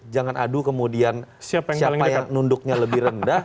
jangan adu kemudian siapa yang nunduknya lebih rendah